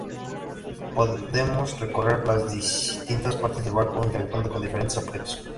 Podremos recorrer las distintas partes del barco interactuando con diferentes objetos.